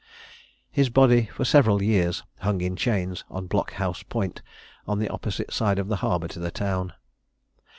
His body for several years hung in chains on Blockhouse Point, on the opposite side of the harbour to the town.